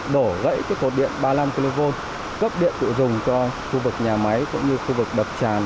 đổ gãy cái cột điện ba mươi năm kv cấp điện tự dùng cho khu vực nhà máy cũng như khu vực đập tràn